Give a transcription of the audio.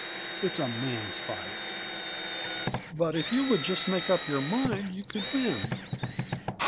It's a man's fight!" "But if you would just make up your mind, you could win."